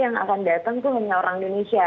yang akan datang itu hanya orang indonesia